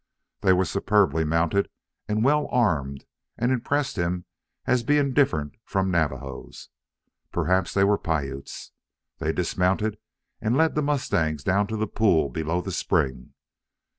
They were superbly mounted and well armed, and impressed him as being different from Navajos. Perhaps they were Piutes. They dismounted and led the mustangs down to the pool below the spring.